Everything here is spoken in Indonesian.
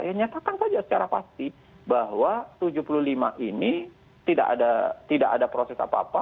ya nyatakan saja secara pasti bahwa tujuh puluh lima ini tidak ada proses apa apa